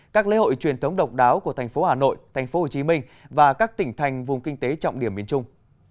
các lễ hội truyền thống độc đáo của thành phố hà nội thành phố hồ chí minh và các tỉnh thành vùng kinh tế trọng điểm miền trung